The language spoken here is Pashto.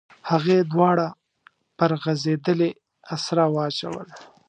هغې دواړه پر غځېدلې اسره واچول.